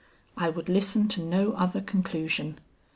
I would listen to no other conclusion.